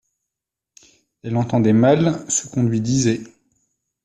Elle entendait mal ce qu'on lui disait.